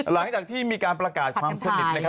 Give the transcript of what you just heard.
หลังจากที่มีการประกาศความสนิท